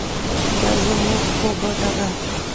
دا زموږ په ګټه ده.